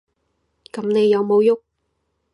噉你有無郁？